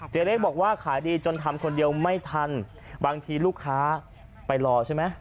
เลขบอกว่าขายดีจนทำคนเดียวไม่ทันบางทีลูกค้าไปรอใช่ไหม